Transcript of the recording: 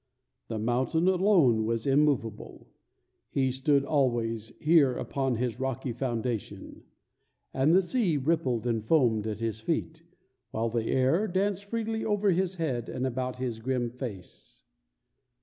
The mountain alone was immovable; he stood always here upon his rocky foundation, and the sea rippled and foamed at his feet, while the air danced freely over his head and about his grim face.